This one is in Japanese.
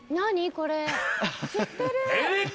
これ知ってる！